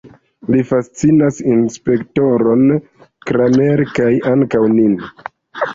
Li fascinas inspektoron Kramer, kaj ankaŭ nin.